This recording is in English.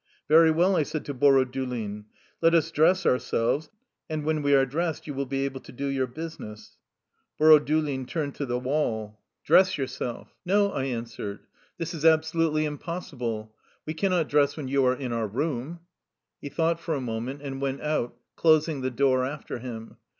^^Very well," I said to Borodulin. "Let us dress ourselves, and when we are dressed you will be able to do your business." Borodulin turned to the wall. 181 THE LIFE STORY OF A RUSSIAN EXILE " Dress yourself.'' " No," I answered, " this is absolutely impos sible. We cannot dress when you are in our room.'' He thought for a moment, and went out, clos ing the door after him.